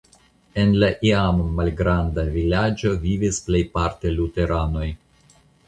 En la iama malgranda vilaĝo vivis plejparte luteranoj.